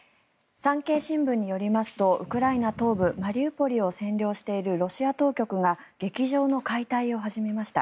産経新聞によりますとウクライナ東部マリウポリを占領しているロシア当局が劇場の解体を始めました。